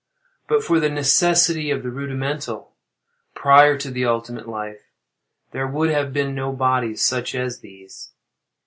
But for the necessity of the rudimental, prior to the ultimate life, there would have been no bodies such as these.